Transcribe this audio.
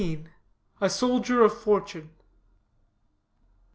A SOLDIER OF FORTUNE.